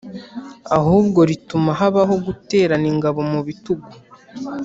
ahubwo rituma habaho guterana ingabo mu bitugu,